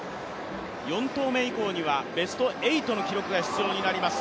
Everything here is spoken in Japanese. ４投目以降にはベスト８の記録が必要になります。